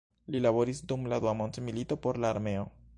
Li laboris dum la dua mondmilito por la armeo.